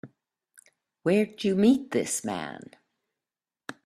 Where'd you meet this man?